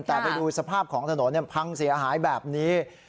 แต่ไปดูสภาพของถนนพังเสียหายแบบนี้